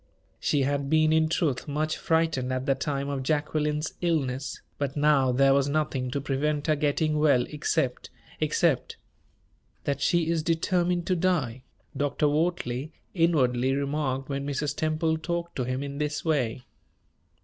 She had been in truth much frightened at the time of Jacqueline's illness; but, now, there was nothing to prevent her getting well except except "That she is determined to die," Dr. Wortley inwardly remarked when Mrs. Temple talked to him in this way.